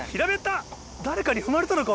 誰かに踏まれたのか？